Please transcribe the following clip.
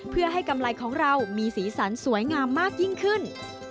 เพื่อให้กำไรของเรามีสีสันสวยงามมากยิ่งขึ้น